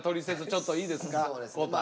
ちょっといいですか宏太。